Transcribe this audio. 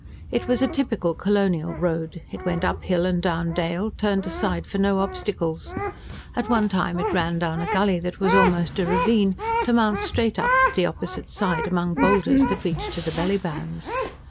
It was a typical colonial road; it went up hill and down dale, turned aside for no obstacles. At one time it ran down a gully that was almost a ravine, to mount straight up the opposite side among boulders that reached to the belly bands.